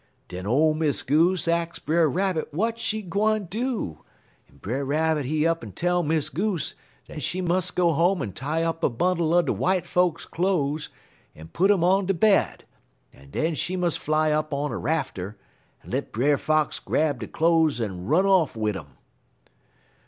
"Den ole Miss Goose ax Brer Rabbit w'at she gwine do, en Brer Rabbit he up en tell Miss Goose dat she mus' go home en tie up a bundle er de w'ite folks' cloze, en put um on de bed, en den she mus' fly up on a rafter, en let Brer Fox grab de cloze en run off wid um.